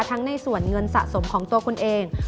ในส่วนเงินสะสมของตัวคุณเอง